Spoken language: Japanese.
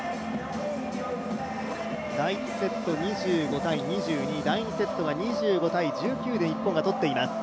第１セット２５−２２、第２セットが２５−１９で日本が取っています。